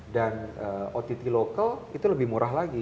dan ott lokal itu lebih murah lagi